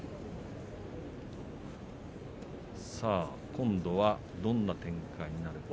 今度はどんな展開になるのか。